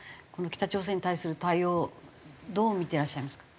北朝鮮に対する対応どう見てらっしゃいますか？